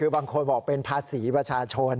บางคนบอกเป็นภาษีประชาชน